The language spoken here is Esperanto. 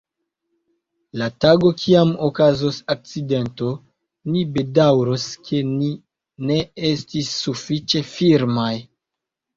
La tago, kiam okazos akcidento, ni bedaŭros, ke ni ne estis sufiĉe firmaj.